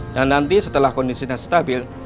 dan nanti setelah kondisinya stabil